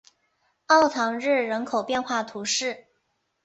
奥唐日人口变化图示